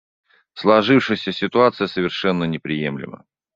Сложившаяся ситуация совершенно неприемлема.